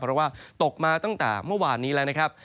เพราะว่าตกมาตั้งแต่เมื่อวานนี้แล้วนะครับ